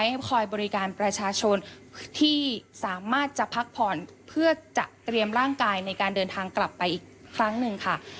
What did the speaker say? ให้คอยบริการประชาชนที่สามารถจะพักผ่อนเพื่อจะเตรียมร่างกายในการเดินทางกลับไปอีกครั้งหนึ่งค่ะ